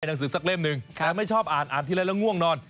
หนังสือสักเล่มหนึ่งแต่ไม่ชอบอ่านอ่านทีไรแล้วง่วงนอน